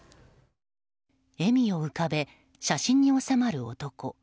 笑みを浮かべ写真に収まる男。